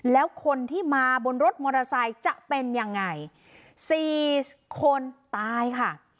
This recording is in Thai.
แล้วคนที่มาบนรถมอเตอร์ไซค์จะเป็นยังไงสี่คนตายค่ะ